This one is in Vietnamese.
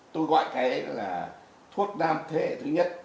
tôi gọi cái là thuốc nam thế hệ thứ nhất